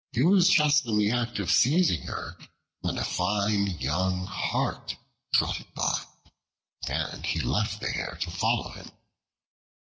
He was just in the act of seizing her, when a fine young Hart trotted by, and he left the Hare to follow him.